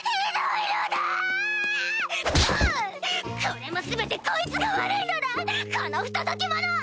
これも全てこいつが悪いのだこの不届き者！